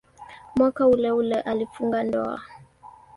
Mwaka uleule alifunga ndoa.